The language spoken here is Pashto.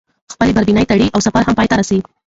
خپلې باربېنې تړي او سفر هم پاى ته رسي.